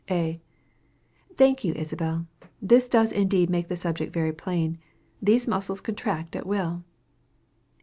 A. Thank you, Isabel. This does indeed make the subject very plain. These muscles contract at will.